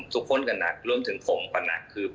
ทุกคนก็นักรวมถึงผมก็นัก